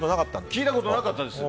聞いたことなかったです。